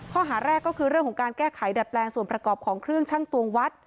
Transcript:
ข้อหาแรกก็คือเรื่องของการแก้ไขดัดแปลงส่วนประกอบของเครื่องชั่งตวงวัด